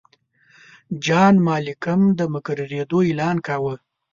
جان مالکم د مقررېدلو اعلان کاوه.